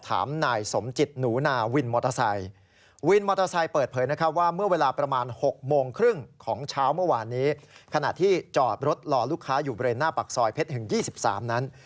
ของเช้าเมื่อวานนี้ขณะที่จอดรถรอลูกค้าอยู่เบรนหน้าปากซอยเพชรหึง๒๓นั้น